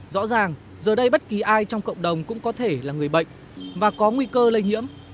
rõ ràng giờ đây bất kỳ ai trong cộng đồng cũng có thể là người bệnh và có nguy cơ lây nhiễm